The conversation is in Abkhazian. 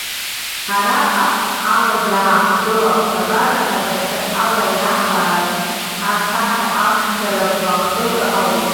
Араҟа ҳала иаахгыло аԥсабара адәахьы ала ианаҳбааз асахьа аԥшӡара блахкыга ауп.